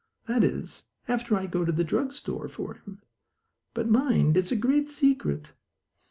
That is, after I go to the drug store for him. But mind, it's a great secret."